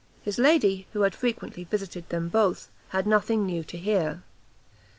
His lady, who had frequently visited them both, had nothing new to hear.